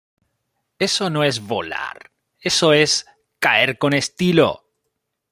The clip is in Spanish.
Eso no es volar. Eso es caer con estilo.